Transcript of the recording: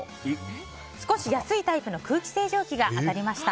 少し安いタイプの空気清浄機が当たりました。